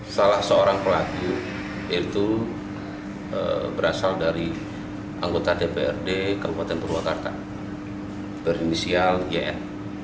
salah seorang pelaku itu berasal dari anggota dprd kabupaten purwakarta berinisial yn